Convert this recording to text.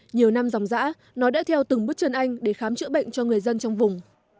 nhiều năm dòng giã nó đã theo từng bước chân anh để khám chữa bệnh cho người dân trong vùng